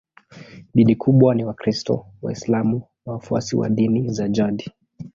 Dini kubwa ni Wakristo, Waislamu na wafuasi wa dini za jadi.